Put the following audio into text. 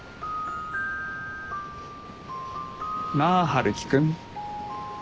なあ春樹君。